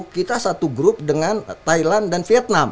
dua ribu dua puluh kita satu grup dengan thailand dan vietnam